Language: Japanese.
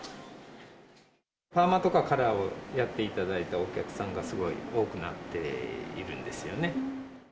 パーマとかカラーをやっていただいたお客さんが、すごい多くなっているんですよね。